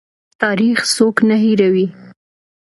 تاریخ څوک نه هیروي